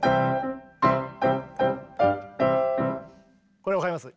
これ分かります？